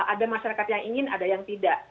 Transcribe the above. ada masyarakat yang ingin ada yang tidak